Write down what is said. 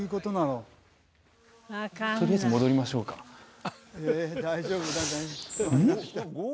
とりあえず戻りましょうかうん？